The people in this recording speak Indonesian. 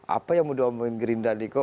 apa yang mau doangin gerindra diko